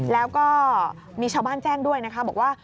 แล้วก็มีชาวบ้านแจ้งด้วยนะคะบอกว่า